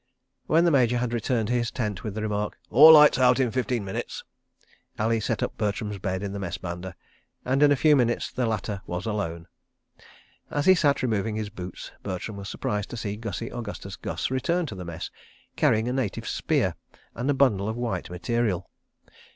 ... When the Major had returned to his tent with the remark "All lights out in fifteen minutes," Ali set up Bertram's bed in the Mess banda, and in a few minutes the latter was alone. ... As he sat removing his boots, Bertram was surprised to see Gussie Augustus Gus return to the Mess, carrying a native spear and a bundle of white material.